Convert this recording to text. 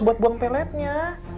buat buang peletnya